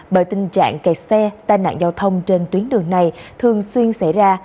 bởi tình trạng kẹt xe tai nạn giao thông trên tuyến đường này thường xuyên xảy ra